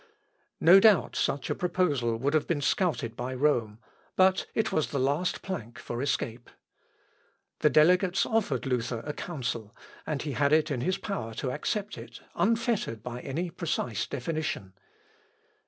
No doubt such a proposal would have been scouted by Rome; but it was the last plank for escape. The delegates offered Luther a Council; and he had it in his power to accept it unfettered by any precise definition.